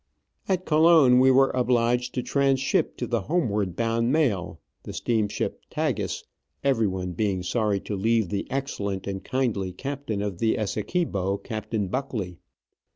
At Colon we were obliged to tranship to the homeward bound mail, the ss. Tagus, everyone being sorry to leave the excellent and kindly captain of the Essequibo, Captain Buckley.